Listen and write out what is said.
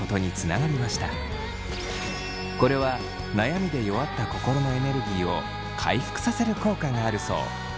これは悩みで弱った心のエネルギーを回復させる効果があるそう。